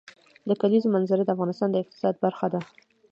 د کلیزو منظره د افغانستان د اقتصاد برخه ده.